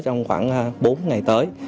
trong khoảng bốn ngày tới